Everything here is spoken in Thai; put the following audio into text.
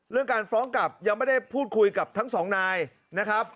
เรื่องการฟ้องกลับยังไม่ได้พูดคุยกับทั้งสองนายนะครับ